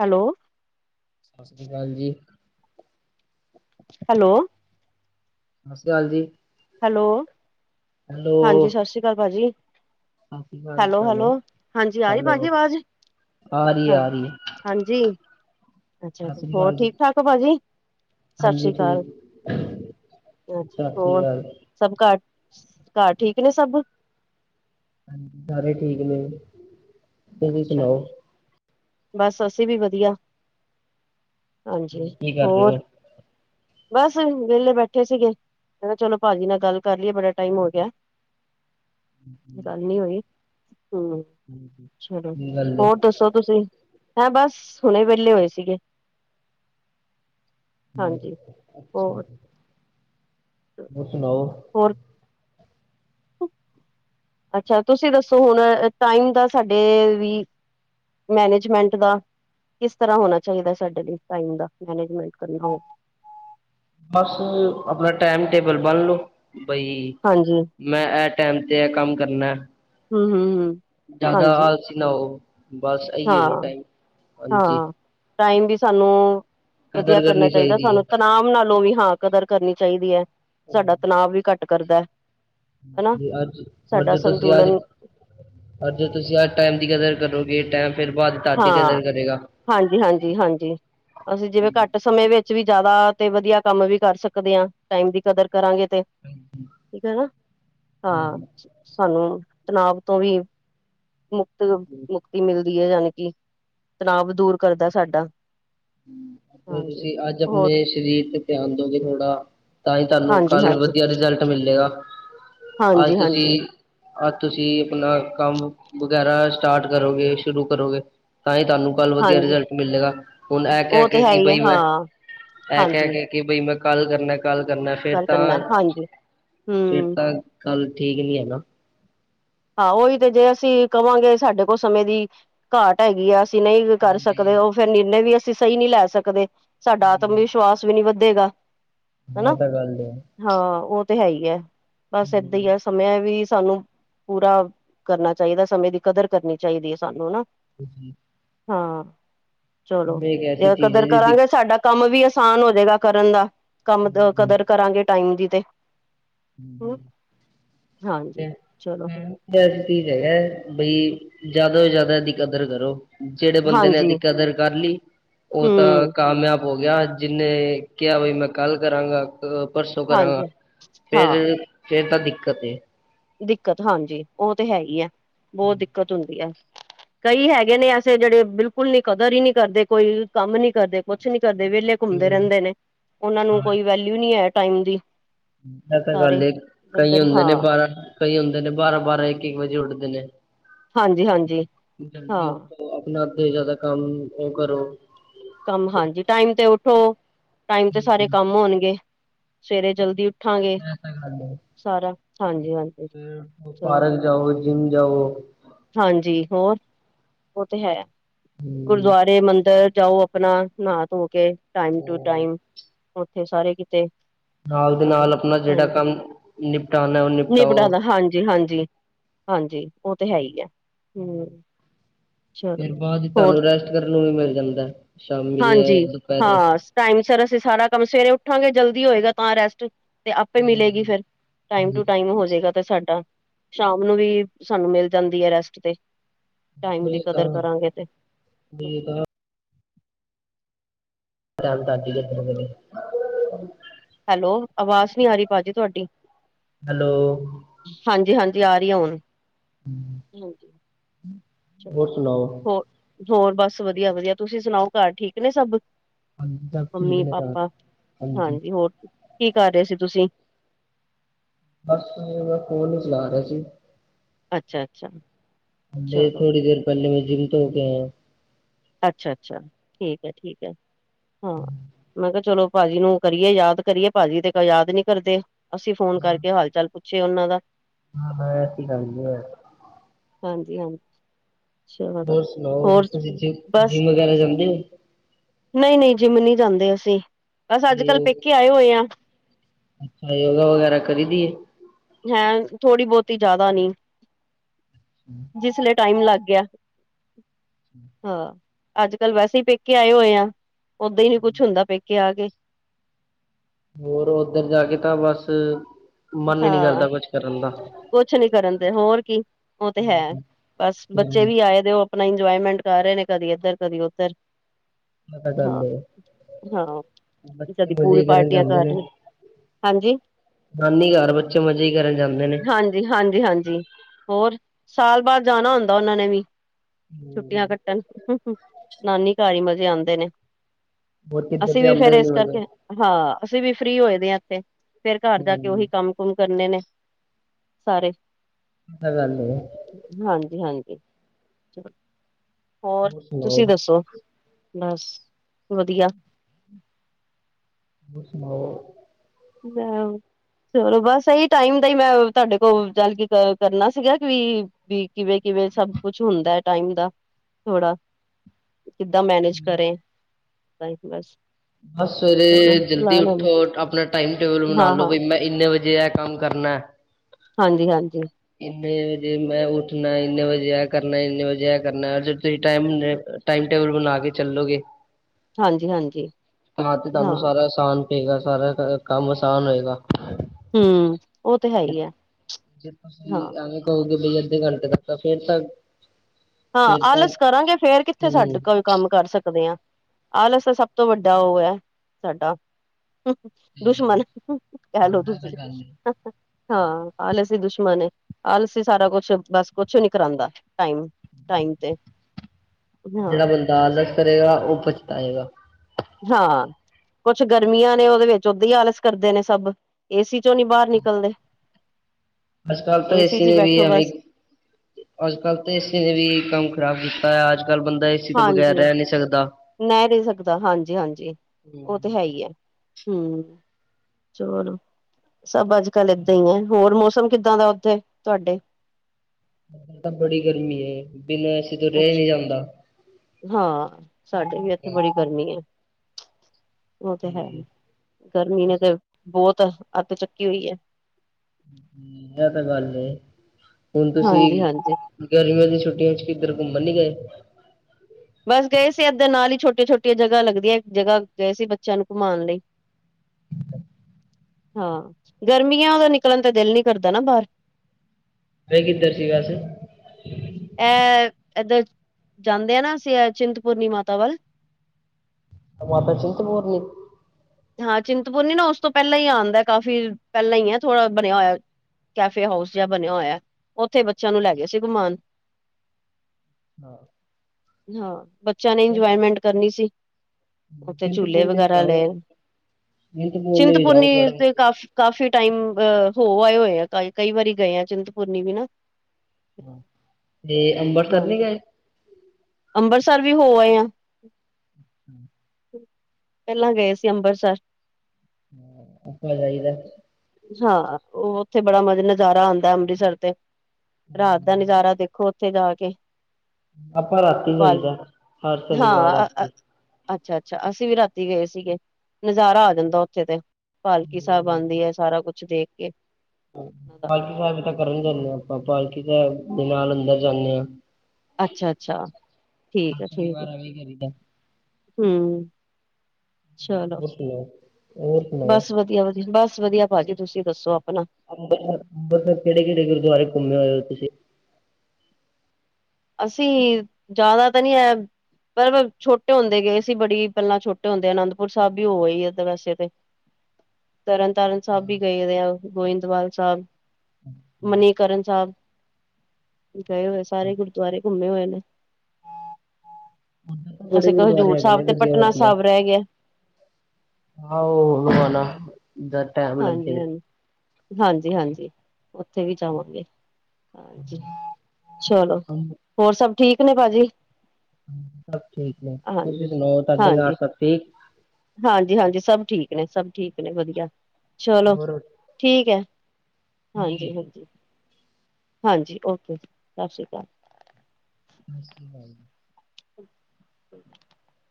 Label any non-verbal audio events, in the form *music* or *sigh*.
Hello. ਸਤਿ ਸ਼੍ਰੀ ਅਕਾਲ ਜੀ। ਹੈਲੋ ਸਤਿ ਸ਼੍ਰੀ ਅਕਾਲ ਜੀ। Hello hello. ਹਾਂਜੀ ਸਤਿ ਸ਼੍ਰੀ ਅਕਾਲ ਪਾਜੀ। ਸਤਿ ਸ੍ਰੀ ਅਕਾਲ ਭੈਣੇ, ਹੈਲੋ-ਹੈਲੋ ਹਾਂਜੀ ਆ ਰਹੀ ਪਾਜੀ ਹੈਲੋ ਆਵਾਜ਼ ਆ ਰਹੀ ਹਾਂ ਆ ਰਹੀ, ਹਾਂਜੀ ਅੱਛਾ ਸਤਿ ਸ੍ਰੀ ਹੋਰ ਅਕਾਲ ਜੀ। ਠੀਕ-ਠਾਕ ਪਾਜੀ ਸਤਿ ਹਾਂਜੀ ਸ੍ਰੀ ਅਕਾਲ। ਠੀਕ, ਹ ਸਤਿ ਸ੍ਰੀ ਹੋਰ ਅਕਾਲ, ਸਭ ਘਾਰ ਘਾਰ ਠੀਕ ਨੇ ਸਭ ਹਾਂਜੀ ਸਾਰੇ ਠੀਕ ਨੇ। ਤੁਸੀਂ ਅੱਛਾ ਸੁਣਾਓ, ਜੀ ਬਸ ਅਸੀਂ ਵੀ ਵਧੀਆ ਹਾਂਜੀ ਹੋਰ ਕੀ ਕਰ ਰਹੇ ਹੋਰ ਹੋ? ਬਸ ਵਿਹਲੇ ਬੈਠੇ ਸੀਗੇ। ਕਿੰਦਾ ਚਲੋ ਪਾਜੀ ਨਾਲ ਗੱਲ ਕਰ ਲਈਏ ਬੜਾ ਟਾਈਮ ਹੋ ਗਿਆ। ਗੱਲ ਨੀ ਹੋਈ ਹੂੰ ਚਲੋ ਕੀ ਗੱਲ ਏ, ਹੋਰ ਦੱਸੋ ਤੁਸੀਂ ਹੈਂ ਬਸ ਹੁਣੇ ਵਿਹਲੇ ਹੋਏ ਸੀਗੇ। ਹਾਂਜੀ। ਅੱਛਾ ਹੋਰ? ਹੋਰ ਸੁਣਾਓ? ਹੋਰ ਅੱਛਾ ਤੁਸੀਂ ਦੱਸੋ ਹੁਣ ਟਾਈਮ ਦਾ ਸਾਡੇ ਵੀ ਮੈਨੇਜਮੈਂਟ ਦਾ। ਕਿਸ ਤਰ੍ਹਾਂ ਹੋਣਾ ਚਾਹੀਦਾ ਸਾਡੇ ਲਈ ਟਾਇਮ ਦਾ ਮੈਨੇਜਮੈਂਟ ਕਰਨਾ ਹੋਵੇ ਤੇ ਬਸ ਆਪਣਾ ਟੈਮ-ਟੇਬਲ ਬਨਲੋ ਬਈ ਹਾਂਜੀ ਮੈਂ ਇਹ ਟੈਮ ਤੇ ਇਹ ਕੰਮ ਕਰਨਾ- ਹੂੰ-ਹੂੰ-ਹੂੰ। ਜ਼ਿਆਦਾ ਆਲਸੀ ਨਾ ਹੋ ਬਸ ਇਹ ਈ ਹਾਂ ਏ ਟਾਇਮ ਹਾਂਜੀ। ਹਾਂ ਟਾਈਮ ਵੀ ਸਾਨੂੰ ਕਦਰ ਵਧੀਆ ਕਰਨੀ ਕਰਨਾ ਚਾਹੀਦਾ ਚਾਹੀਦੀ ਸਾਨੂੰ ਤਨਾਮ ਨਾਲੋਂ ਵੀ ਹਾਂ ਕਦਰ ਕਰਨੀ ਚਾਹੀਦੀ ਹੈ ਸਾਡਾ ਤਨਾਵ ਵੀ ਘੱਟ ਕਰਦਾ। ਹਨਾ ਜ ਸਾਡਾ ਅੱਜ-ਅੱਜ ਤੁਸੀਂ ਅੱਜ ਸੰਤੁਲਨ ਅੱਜ ਤੁਸੀਂ ਅ ਟਾਈਮ ਦੀ ਕਦਰ ਕਰੋਗੇ ਟਾਈਮ ਫਿਰ ਬਾਅਦ ਤੁਹਾਡੀ ਕਦਰ ਹਾਂ ਕਰੇਗਾ ਹਾਂਜੀ-ਹਾਂਜੀ-ਹਾਂਜੀ ਅਸੀਂ ਜਿਵੇਂ ਘੱਟ ਸਮੇਂ ਵਿੱਚ ਵੀ ਜ਼ਿਆਦਾ ਤੇ ਵਧੀਆ ਕੰਮ ਵੀ ਕਰ ਸਕਦੇ ਹਾਂ ਟਾਈਮ ਦੀ ਕਦਰ ਕਰਾਂਗੇ ਤੇ ਤੇ ਠੀਕ ਹੈ ਨਾ ਹਾਂ ਤੇ ਸਾਨੂੰ ਤਨਾਵ ਤੋਂ ਵੀ ਮੁਕਤ ਮੁਕਤੀ ਮਿਲਦੀ ਏ ਯਾਣੀ ਤਨਾਵ ਦੂਰ ਕਰਦਾ ਸਾਡਾ। ਅਗਰ ਹਾਂਜੀ ਤੁਸੀਂ ਅੱਜ ਹੋਰ ਆਪਣੇ ਸਰੀਰ ਤੇ ਧਿਆਨ ਦੋਗੇ ਥੋੜ੍ਹਾ ਤਾਂ ਹੀ ਤੁਹਾਨੂੰ ਹਾਂਜੀ ਕੱਲ ਹਾਂਜੀ ਵਧੀਆ ਰਿਜ਼ਲਟ ਮਿਲੇਗਾ ਅੱਜ ਹਾਂਜੀ ਤੁਸੀਂ ਹਾਂਜੀ ਅੱਜ ਤੁਸੀਂ ਆਪਣਾ ਕੰਮ ਵਗੈਰਾ ਸਟਾਰਟ ਕਰੋਗੇ ਸ਼ੁਰੂ ਕਰੋਗੇ ਤਾਂ ਹੀ ਤਾਨੂੰ । ਕੱਲ ਵਧੀਆ ਹਾਂਜੀ ਰਿਜਲਟ ਮਿਲੇਗਾ ਹੁਣ ਇਹ ਕਹਿ ਉਹ ਕੇ ਤੇ ਹੈ ਕਿ ਹੀ ਹੈ ਬਾਈ ਮੈਂ ਹਾਂ ਇਹ ਕਹਿ ਹਾਂਜੀ ਕੇ ਕੇ ਬਈ ਮੈਂ ਕੱਲ ਕਰਨਾ ਕੱਲ ਕਰਨਾ ਫੇਰ ਗੱਲ ਤਾਂ ਕਰਨਾ ਹਾਂਜੀ ਫੇਰ ਹਮ ਤਾਂ ਕੱਲ ਠੀਕ ਨੀ ਹੈਗਾ। ਹਾਂ ਉਹੀ ਤੇ ਜੇ ਅਸੀਂ ਕਵਾਗੇ, ਸਾਡੇ ਕੋਲ ਸਮੇਂ ਦੀ ਘਾਟ ਹੈਗੀ ਆ। ਅਸੀਂ ਨਈ ਕਰ ਹਾਂਜੀ ਸਕਦੇ, ਉਹ ਫੇਰ ਨਿਰਨੇ ਵੀ ਅਸੀਂ ਸਹੀ ਨੀ ਲੈ ਸਕਦੇ। ਸਾਡਾ ਆਤਮ ਹਮ ਵਿਸ਼ਵਾਸ ਵੀ ਨੀ ਵੱਧੇਗਾ। ਇਹ ਹਨਾ ਤਾਂ ਗੱਲ ਏ ਹਾਂ ਉਹ ਤੇ ਹੈ ਇ ਹੈ ਬਸ ਏਦਾਂ ਹੀ ਆ, ਸਮੇਂ ਵੀ ਸਾਨੂੰ ਪੂਰਾ ਕਰਨਾ ਚਾਹੀਦਾ। ਸਮੇਂ ਦੀ ਕਦਰ ਕਰਨੀ ਚਾਹੀਦੀ ਐ ਸਾਨੂੰ ਹਨਾ। *unintelligible* ਹਾਂ, ਚਲੋ ਜੇ ਕਦਰ ਕਰਾਂਗੇ ਸਾਡਾ ਕੰਮ ਵੀ ਆਸਾਨ ਹੋ ਜਾਏਗਾ ਕਰਨ ਦਾ, ਕੰਮ ਕਦਰ ਕਰਾਂਗੇ ਟਾਈਮ ਦੀ ਤੇ ਹਨਾ। ਹਾਜੀ ਹਾਂਜੀ ਤੇ ਚਲੋ ਫੇ ਵੈਸੇ ਤਾਂ ਹੈਗਾ ਬਈ ਜ਼ਿਆਦਾ ਤੋਂ ਜ਼ਿਆਦਾ ਇਹਦੀ ਕਦਰ ਕਰੋ। ਜਿਹੜੇ ਬੰਦੇ ਨੇ ਅਦੀ ਹਾਂਜੀ ਕਦਰ ਕਰ ਲਈ, ਉਹ ਤਾਂ ਹਮ ਕਾਮਯਾਬ ਹੋ ਗਿਆ। ਜਿੰਨੇ ਕਿਹਾ ਬਈ ਮੈਂ ਕੱਲ ਕਰਾਂਗਾ, ਪਰਸੋਂ ਕਰਾਂਗਾ ਹਾਂਜੀ ਹਾਂ ਫੇਰ ਫੇਰ ਤਾਂ ਦਿੱਕਤ ਏ। ਦਿੱਕਤ ਹਾਂਜੀ, ਉਹ ਤੇ ਹੈ ਇ ਐ ਬੋਤ ਦਿੱਕਤ ਹੁੰਦੀ ਐ। ਕਈ ਹੈਗੇ ਨੇ ਐਸੇ ਜਿਹੜੇ ਬਿਲਕੁਲ ਨੀ ਕਦਰ ਹੀ ਨਹੀਂ ਕਰਦੇ, ਕੋਈ ਕੰਮ ਨੀ ਕਰਦੇ, ਕੁਛ ਨੀ ਕਰਦੇ ਵਿਹਲੇ ਘੁੰਮਦੇ ਹੂੰ, ਰਹਿੰਦੇ ਨੇ, ਉਹਨਾਂ ਨੂੰ ਕੋਈ ਵੈਲਿਊ ਨੀ ਹੈ ਟਾਈਮ ਦੀ। ਐਸ ਸਾਰੇ ਗੱਲ ਏ, ਇਧਰ ਕਈ ਉਧਰ ਹੁੰਦੇ ਨੇ ਹਾਂ ਬਾਰਾਂ ਕਈ ਹੁੰਦੇ ਨੇ ਬਾਰਾਂ-ਬਾਰਾਂ, ਇੱਕ-ਇੱਕ ਵਜੇ ਉੱਠਦੇ ਨੇ। ਹਾਂਜੀ ਹਾਂਜੀ ਹਾਂ ਜਲਦੀ ਆਪਣਾ ਅੱਧੇ ਤੋਂ ਜ਼ਿਆਦਾ ਕੰਮ, ਉਹ ਕਰੋ। ਕੰਮ ਹਾਂਜੀ, ਟਾਈਮ ਤੇ ਉੱਠੋ। ਟਾਈਮ ਤੇ ਸਾਰੇ ਕੰਮ ਹੋਣਗੇ, ਸਵੇਰੇ ਜਲਦੀ ਉਠਾਂਗੇ ਇਹ ਸਾਰਾ ਹਾਂਜੀ-ਹਾਂਜੀ। ਸਵੇਰੇ ਉੱਠੋ, ਪਾਰਕ ਜਾਓ, ਜਿੰਮ ਜਾਓ। ਹਾਂਜੀ, ਹੋਰ ਉਹ ਤੇ ਹੈ ਹਮ ਗੁਰਦੁਆਰੇ, ਮੰਦਿਰ ਜਾਓ। ਆਪਣਾ ਨਹਾ ਧੋ ਕੇ ਟਾਈਮ ਟੂ ਟਾਈਮ ਉਥੇ ਸਾਰੇ ਕਿਤੇ। ਨਾਲ ਦੇ ਨਾਲ ਆਪਣਾ ਜਿਹੜਾ ਕੰਮ ਨਿਪਟਾਨਾ ਉਹ ਨਿਪਟਾਓ ਨਬੜਾਦਾ ਹਾਂਜੀ-ਹਾਂਜੀ। ਹਾਂਜੀ, ਉਹ ਤੇ ਹੈ ਹੀ ਐ। ਫਿਰ ਬਾਅਦ ਹੋਰ ਤੁਹਾਨੂੰ ਰੈਸਟ ਕਰਨ ਨੂੰ ਵੀ ਮਿਲ ਜਾਂਦਾ। ਸ਼ਾਮੀ ਏ ਹਾਂਜੀ, ਦੁਪਰੇ ਹਾਂ ਟਾਈਮ ਸਿਰ, ਅਸੀਂ ਸਾਰਾ ਕੰਮ ਸਵੇਰੇ ਉੱਠਾਂਗੇ ਜਲਦੀ ਹੋਏਗਾ ਤਾਂ ਰੈਸਟ ਤੇ ਆਪੇ ਮਿਲੇਗੀ ਫਿਰ ਟਾਈਮ ਟੂ ਟਾਈਮ ਹੋ ਜਾਏਗਾ ਤੇ ਸਾਡਾ। ਸ਼ਾਮ ਨੂੰ ਵੀ ਸਾਨੂੰ ਮਿਲ ਜਾਂਦੀ ਏ, ‌ ਰੈਸਟ ਤੇ ਟਾਈਮ ਦੀ ਠੀਕ ਆ, ਕਦਰ ਕਰਾਂਗੇ ਤੇ ਠੀਕ ਆ। *unintelligible* ਹੈਲੋ, ਆਵਾਜ਼ ਨੀ ਆ ਰਹੀ ਭਾਜੀ ਤੁਹਾਡੀ। ਹੈਲੋ। ਹਾਂਜੀ-ਹਾਂਜੀ, ਆ ਰਹੀ ਹੁਣ। ਹੂੰ। ਹਾਂਜੀ ਚਲੋ ਹੋ ਹੋਰ ਬਸ ਵਧੀਆ-ਵਧੀਆ, ਤੁਸੀਂ ਸੁਣਾਓ ਘਰ ਠੀਕ ਨੇ ਸਭ। ਹਾਂਜੀ ਸਭ ਠੀਕ ਮੰਮੀ ਨੇ ਘਰ ਪਾਪਾ, ਹਾਂਜੀ ਹੋਰ ਕੀ ਕਰ ਰਹੇ ਸੀ ਤੁਸੀਂ। ਬਸ ਜੀ, ਮੈਂ ਫੋਨ ਹੀ ਚਲਾ ਰਿਹਾ ਸੀ। ਅੱਛਾ-ਅੱਛਾ। ਡੇ ਥੋੜੀ ਦੇਰ ਪਹਿਲੇ ਮੈਂ ਜਿੰਮ ਤੋਂ ਹੋ ਕੇ ਆਇਆ। ਅੱਛਾ-ਅੱਛਾ, ਠੀਕ ਐ ਠੀਕ ਐ। ਹਾਂ, ਮੈਂ ਕਿਹਾ ਚਲੋ ਭਾਜੀ ਨੂੰ ਕਰੀਏ ਯਾਦ ਕਰੀਏ ਭਾਜੀ ਤੇ ਯਾਦ ਨੀ ਕਰਦੇ। ਅਸੀਂ ਫੋਨ ਕਰਕੇ ਹਾਲ-ਚਾਲ ਪੁੱਛੀਏ ਉਹਨਾਂ ਦਾ। ਹਾਂ-ਹਾਂ, ਐਸੀ ਗੱਲ ਨੀ ਐ। ਹਾਂਜੀ-ਹਾਂਜੀ। ਹੋਰ ਸੁਣਾਓ, ਤੁਸੀਂ ਜਿ ਜਿੰਮ ਵਗੈਰਾ ਜਾਂਦੇ ਹੋ। ਨਈ- ਨਈ ਜਿੰਮ ਨੀ ਜਾਂਦੇ ਅਸੀਂ, ਬਸ ਤੇ ਅੱਜ-ਕੱਲ੍ਹ ਪੇਕੇ ਆਏ ਹੋਏ ਆਂ। ਅੱਛਾ ਯੋਗਾ ਵਗੈਰਾ ਕਰੀ ਦੀ ਏ। ਹੈਂ ਥੋੜ੍ਹੀ ਬਹੁਤੀ ਜ਼ਿਆਦਾ ਨੀ। *inaudible* ਜਿਸ ਲੇ ਟਾਈਮ ਲੱਗ ਗਿਆ ਹਾਂ। ਅੱਜ ਕੱਲ ਵੈਸੇ ਹੀ ਪੇਕੇ ਆਏ ਹੋਏ ਆ ਓਦਾਂ ਹੀ ਨੀ ਕੁੱਛ ਹੁੰਦਾ ਪੇਕੇ ਆ ਕੇ। ਹੋਰ ਉੱਧਰ ਜਾ ਕੇ ਤਾਂ ਬਸ ਮਨ ਹੀ ਨਹੀਂ ਹਾਂ ਕਰਦਾ ਕੁਛ ਕਰਨ ਦਾ ਕੁਛ ਨੀ ਕਰਨ ਦੇ ਹੋਰ ਕੀ ਉਹ ਤੇ ਹੈ। ਬਸ ਬੱਚੇ ਵੀ ਆਏ ਦੇ ਉਹ ਆਪਣਾ ਇੰਜੋਏਮੈਂਟ ਕਰ ਰਹੇ ਨੇ ਕਦੀ ਇੱਧਰ ਕਦੀ ਉੱਧਰ। ਪਤਾ ਹਾਂ ਗੱਲ ਏ ਹਾਂ ਬੱਚੇ ਕਦੀ ਮਜ਼ੇ ਪੂਲ ਹੀ ਕਰਨ ਪਾਰਟੀਆਂ ਜਾਂਦੇ ਕਰ। ਨੇ ਹਾਂਜੀ। ਨਾਨੀ ਘਰ ਬੱਚੇ ਮਜ਼ੇ ਹੀ ਕਰਨ ਜਾਂਦੇ ਨੇ। ਜੀ ਹਾਂਜੀ ਹਾਂਜੀ ਹੋਰ ਸਾਲ ਬਾਅਦ ਜਾਣਾ ਹੁੰਦਾ ਉਹਨਾਂ ਨੇ ਵੀ। ਛੁੱਟੀਆਂ ਕੱਟਣ ਨਾਨੀ ਕੀ ਮਜ਼ੇ ਆਉਂਦੇ ਨੇ। ਹੋਰ ਕਿੱਧਰ ਅਸੀਂ ਦੇ ਵੀ ਫੇਰ ਆਉਂਦੇ ਨੀ ਇਸ ਮਜ਼ੇ ਕਰਕੇ ਹਾਂ ਅਸੀਂ ਵੀ ਫਰੀ ਹੋਏ ਦੇ ਹਾਂ ਇੱਥੇ ਫੇਰ ਘਰ ਜਾ ਕੇ ਹੂੰ, ਉਹੀ ਕੰਮ ਕੁਮ ਕਰਨੇ ਨੇ ਸਾਰੇ ਐ ਤਾਂ ਗੱਲ ਏ। ਹਾਂਜੀ ਹਾਂਜੀ। ਹੋਰ ਤੁਸੀਂ ਦੱਸੋ। ਬਸ ਵਧੀਆ। *unintelligible* *unintelligible* ਚਲੋ ਬਸ ਇਹੀ ਟਾਈਮ ਦਾ ਹੀ ਮੈਂ ਤੁਹਾਡੇ ਕੋਲ ਜਾ ਕੇ ਕਰਨਾ ਸੀਗਾ ਕਿ ਵੀ ਕਿਵੇਂ ਕਿਵੇਂ ਸਭ ਕੁਛ ਹੁੰਦਾ ਹੈ ਟਾਈਮ ਦਾ ਥੋੜਾ ਕਿੱਦਾਂ ਮੈਨੇਜ ਕਰੇ ਬਸ। ਬਸ ਥੋੜਾ ਸਵੇਰੇ ਜਲਦੀ ਸਲਾਹ ਲੈਣੀ ਉੱਠੋ ਆਪਣਾ ਟਾਈਮ ਟੇਬਲ ਬਣਾ ਹਾਂ ਲੋ ਹਾਂ ਬਈ ਮੈਂ ਇੰਨੇ ਵਜੇ ਆ ਕੰਮ ਕਰਨਾ। ਹਾਂਜੀ ਹਾਂਜੀ। ਇੰਨੇ ਵਜੇ ਮੈਂ ਉੱਠਣਾ ਇੰਨੇ ਵਜੇ ਆ ਕਰਨਾ ਇੰਨੇ ਵਜੇ ਇਹ ਕਰਨਾ। ਤੁਸੀਂ ਟਾਈਮ ਟਾਈਮ ਟੇਬਲ ਬਣਾ ਕੇ ਚੱਲੋਗੇ। ਹਾਂਜੀ ਹਾਂਜੀ। ਹਾ ਤੇ ਹਾਂ ਤੁਹਾਨੂੰ ਸਾਰਾ ਆਸਾਨ ਪਏਗਾ ਸਾਰਾ ਕੰਮ ਆਸਾਨ ਹੋਏਗਾ। ਹੂੰ ਉਹ ਤੇ ਹੈ ਹੀ ਆ। ਜੇ ਤੁਸੀਂ ਐਵੇਂ ਕਹੋਗੇ ਬਈ ਅੱਧੇ ਘੰਟੇ ਤੱਕ ਤਾਂ ਫੇਰ ਤਾਂ ਹਾਂ ਫੇਰ ਤਾਂ ਆਲਸ ਕਰਾਂਗੇ ਫੇਰ ਕਿੱਥੇ ਹੂੰ ਸਾਡੇ ਕੋ ਕੰਮ ਕਰ ਸਕਦੇ ਹਾਂ। ਆਲਸ ਦਾ ਸਭ ਤੋਂ ਵੱਡਾ ਉਹ ਹੈ ਸਾਡਾ ਦੁਸ਼ਮਣ ਕਹਿ ਲਓ ਹਾਂ ਇਹ ਤਾਂ ਤੁਸੀਂ ਗੱਲ ਹੈ ਹਾਂ ਆਲਸ ਹੀ ਦੁਸ਼ਮਣ ਏ। ਆਲਸ ਹੀ ਸਾਰਾ ਕੁਛ ਬਸ ਕੁਛ ਨੀ ਕਰਾਉਂਦਾ ਟਾਈਮ ਟਾਈਮ ਤੇ ਹਾਂ ਜਿਹੜਾ ਬੰਦਾ ਆਲਸ ਕਰੇਗਾ ਉਹ ਪਚਤਾਏਗਾ। ਹਾਂ। ਕੁਛ ਗਰਮੀਆਂ ਨੇ ਉਹਦੇ ਵਿੱਚ ਓਦਾਂ ਹੀ ਆਲਸ ਕਰਦੇ ਨੇ ਸਭ ਏਸੀ ਚੋਂ ਨੀ ਬਾਹਰ ਨਿਕਲਦੇ। *inaudible* ਅੱਜ ਕੱਲ ਤਾਂ ਏਸੀ ਚ ਹੀ ਵੀ, ਬੈਠੋ ਬਸ ਅਜ ਕੱਲ ਤਾਂ ਏਸੀ ਨੇ ਵੀ ਕੰਮ ਖ਼ਰਾਬ ਤਾ ਹੈ ਅੱਜ ਕੱਲ੍ਹ ਬੰਦਾ ਏਸੀ ਤੋਂ ਬਗੈਰ ਹਾਂਜੀ ਰਹਿ ਨਹੀਂ ਸਕਦਾ। ਨਹੀਂ ਰਹਿ ਸਕਦਾ ਹਾਂਜੀ ਹਾਂਜੀ ਉਹ ਹੂੰ, ਤੇ ਹੈ ਹੀ ਹੈ ਹੂੰ। ਹੋਰ ਸਭ ਅੱਜ ਕੱਲ੍ਹ ਏਦਾਂ ਹੀ ਹੈ ਹੋਰ ਮੌਸਮ ਕਿੱਦਾਂ ਦਾ ਉੱਥੇ ਤੁਹਾਡੇ। ਤਾਂ ਬੜੀ ਗਰਮੀ ਹੈ ਬਿਨਾਂ ਅਸੀਂ ਤੋਂ ਰਹਿ ਅੱਛਾ ਨੀ ਜਾਂਦਾ। ਹਾਂ ਸਾਡੇ ਵੀ ਇੱਥੇ ਬੜੀ ਗਰਮੀ ਹੈ। ਉਹ ਤੇ ਹੈ ਹੂੰ, ਗਰਮੀ ਨੇ ਤੇ ਬਹੁਤ ਅੱਤ ਚੱਕੀ ਹੋਈ ਹੈ। ਇਹ ਤਾਂ ਗੱਲ ਹੈ ਹੁਣ ਤੁਸੀਂ ਹਾਂਜੀ ਹਾਂਜੀ ਗਰਮੀਆਂ ਦੀ ਛੁੱਟੀਆ ਚ ਕਿੱਧਰ ਘੁੰਮਣ ਨੀ ਗਏ। ਬਸ ਗਏ ਸੀ ਇੱਧਰ ਨਾਲ ਹੀ ਛੋਟੀਆਂ ਛੋਟੀਆਂ ਜਗ੍ਹਾ ਲੱਗਦੀਆਂ ਜਗ੍ਹਾ ਗਏ ਸੀ ਬੱਚਿਆਂ ਨੂੰ ਘੁਮਾਉਣ ਲਈ। ਹਾਂ ਗਰਮੀਆਂ ਚ ਨਿਕਲਣ ਤੇ ਦਿਲ ਨੀ ਕਰਦਾ ਨਾ ਬਾਹਰ। ਗਏ ਕਿੱਧਰ ਸੀ ਵੈਸੇ। ਇਹ ਇਧਰ ਜਾਂਦੇ ਆ ਨਾ ਅਸੀਂ ਚਿੰਤਪੂਰਨੀ ਮਾਤਾ ਵੱਲ। ਮਾਤਾ ਚਿੰਪੁਰਨੀ, ਹਾਂ ਚਿੰਤਪੁਰਨੀ ਨਾ ਉਸ ਤੋਂ ਪਹਿਲਾਂ ਹੀ ਆਂਦਾ ਕਾਫ਼ੀ ਪਹਿਲਾਂ ਹੀ ਹੈ ਥੋੜਾ ਬਣਿਆ ਹੋਇਆ। ਕੈਫੇ ਹਾਊਸ ਜਤਬਣਿਆ ਹੋਇਆ ਉੱਥੇ ਬੱਚਿਆਂ ਨੂੰ ਲੈ ਗਏ ਸੀ ਘੁਮਾਨ। ਹਾਂ, ਹਾਂ ਬੱਚਿਆਂ ਨੇ ਇੰਜੋਏਮੈਂਟ ਕਰਨੀ ਸੀ। ਉੱਥੇ ਝੂਲੇ ਚਿੰਤਪੂਰਨੀ ਵੀ ਵਗੈਰਾ ਜਾਓ ਲਏ। ਚਿੰਤਪੂਰਨੀ ਵੀ ਚਿੰਤਪੁਰਨੀ ਜਾਓ ਬੜਾ ਤੇ ਮਜ਼ਾ ਕਾਫੀ ਕਾਫ਼ੀ ਟਾਈਮ ਅਹ ਹੋ ਆਏ ਹੋਏ ਆ ਕਈ ਵਾਰੀ ਗਏ ਆ ਚਿੰਤਪੁਰਨੀ ਵੀ ਨਾ। ਤੇ ਅੰਬਰਸਰ ਨੀ ਗਏ। ਅੰਬਰਸਰ ਵੀ ਹੋ ਆਏ ਆ। *inaudible* ਪਹਿਲਾਂ ਗਏ ਸੀ ਅੰਬਰਸਰ। *unintelligible* ਹਾਂ ਉਹ ਉੱਥੇ ਬੜਾ ਮਜ਼ਾ ਨਜ਼ਾਰਾ ਆਂਦਾ ਅੰਮ੍ਰਿਤਸਰ ਤੇ। ਰਾਤ ਦਾ ਨਜ਼ਾਰਾਂ ਦੇਖੋ ਉੱਥੇ ਜਾ ਕੇ ਆਪਾਂ ਰਾਤੀ ਬਾਲ ਜਾਈਦਾ ਹਰ ਸ਼ਨੀਵਾਰ ਰਾਤੀ। ਅੱਛਾ ਅੱਛਾ ਅਸੀਂ ਵੀ ਰਾਤੀ ਗਏ ਸੀਗੇ ਨਜ਼ਾਰਾ ਆ ਜਾਂਦਾ ਉੱਥੇ ਤੇ ਪਾਲਕੀ ਸਾਹਿਬ। ਬਣਦੀ ਐ ਸਾਰਾ ਕੁਛ ਦੇਖ ਕੇ। ਉਹਨਾਂ ਦਾ। ਪਾਲਕੀ ਸਾਹਿਬ ਤਾਂ ਕਰਨ ਜਾਣੇ ਆ ਆਪਾਂ ਪਾਲਕੀ ਸਾਹਿਬ ਦੇ ਨਾਲ ਅੰਦਰ ਜਾਂਦੇ ਆ। ਅੱਛਾ ਅੱਛਾ ਠੀਕ ਐ ਠੀਕ ਐ ਸ਼ਨੀਵਾਰ ਐਵੇਂ ਹੀ ਕਰੀਦਾ। ਹੂੰ, ਚਲੋ ਹੋਰ ਸੁਣਾਓ, ਹੋਰ ਸੁਣਾਓ ਬਸ ਵਧੀਆ ਵਧੀਆ ਬਸ ਵਧੀਆ ਭਾਜੀ ਤੁਸੀਂ ਦੱਸੋ ਆਪਣਾ ਅੰਬਰਸਰ ਅੰਬਰਸਰ ਕਿਹੜੇ ਕਿਹੜੇ ਗੁਰਦੁਆਰੇ ਘੁੰਮੇ ਹੋਏ ਓ ਤੁਸੀਂ। ਅਸੀਂ ਜ਼ਿਆਦਾ ਤਾਂ ਨਹੀਂ ਐ। ਪਰ ਛੋਟੇ ਹੁੰਦੇ ਗਏ ਸੀ ਬੜੀ ਪਹਿਲਾਂ ਛੋਟੇ ਹੁੰਦੇ ਆਨੰਦਪੁਰ ਸਾਹਿਬ ਵੀ ਹੋ ਆਏ ਵੈਸੇ ਤੇ। ਤਰਨ ਤਾਰਨ ਸਾਹਿਬ ਵੀ ਗਏ ਆ ਗੋਇੰਦਵਾਲ ਸਾਹਿਬ। ਮਨੀਕਰਨ ਸਾਹਿਬ ਗਏ ਹੋਏ ਸਾਰੇ ਗੁਰ ਦੁਆਰੇ ਘੁੰਮੇ ਹੋਏ ਨੇ। ਉੱਧਰ ਤਾਂ ਅਸੀਂ ਬੜੇ ਇੱਕ ਗੁਰਦੁਆਰੇ ਹਜ਼ੂਰ ਹੈਗੇ ਸਾਹਿਬ ਨੇ ਤੇ ਪਟਨਾ ਵਧੀਆ-ਵਧੀਆ। ਸਾਹਿਬ ਰਹਿ ਗਿਆ। ਹਾ *unintelligible* ਹਾਂਜੀ ਹਾਂਜੀ ਹਾਂਜੀ ਹਾਂਜੀ ਉੱਥੇ ਵੀ ਜਾਵਾਂਗੇ। ਹਾਂਜੀ ਚਲੋ ਹੋਰ ਸਭ ਠੀਕ ਨੇ ਭਾਜੀ। ਸਭ ਠੀਕ ਨੇ ਤੁਸੀਂ ਹਾਂਜੀ ਸੁਣਾਓ ਤੁਹਾਡੇ ਘਰ ਸਭ ਠੀਕ। ਹਾਂਜੀ ਹਾਂਜੀ ਸਭ ਠੀਕ ਨੇ ਸਭ ਠੀਕ ਨੇ ਵਧੀਆ। ਚਲੋਂ ਹੋਰ ਠੀਕ ਐ ਠੀਕ ਹਾਂਜੀ ਹਾਂਜੀ। ਹਾਂਜੀ ਓਕੇ ਸਤਿ ਸ਼੍ਰੀ ਅਕਾਲ। *unintelligible* ਠ